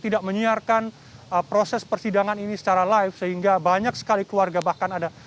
tidak menyiarkan proses persidangan ini secara live sehingga banyak sekali keluarga bahkan ada